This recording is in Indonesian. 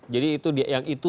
jadi itu yang itu